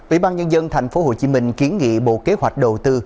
ủy ban nhân dân tp hcm kiến nghị bộ kế hoạch đầu tư